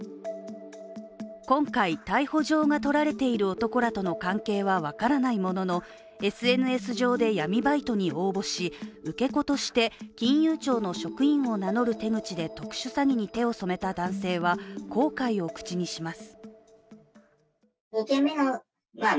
今回、逮捕状が取られている男らとの関係は分からないもののＳＮＳ上で闇バイトに応募し、受け子として金融庁の職員を名乗る手口で特殊詐欺に手を染めた男性は後悔を口にします。